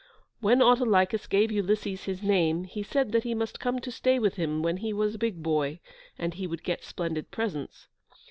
When Autolycus gave Ulysses his name, he said that he must come to stay with him, when he was a big boy, and he would get splendid presents.